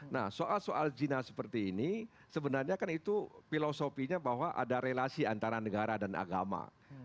nah soal soal jinah seperti ini sebenarnya kan itu filosofinya bahwa ada relasi antara negara dan agama